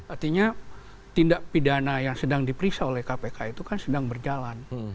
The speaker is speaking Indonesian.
artinya tindak pidana yang sedang diperiksa oleh kpk itu kan sedang berjalan